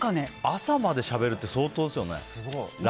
朝までしゃべるって相当ですよね。